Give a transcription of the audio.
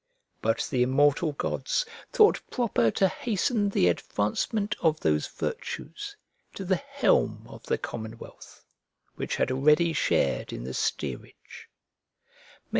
But the immortal gods thought proper to hasten the advancement of those virtues to the helm of the commonwealth which had already shared in the steerage.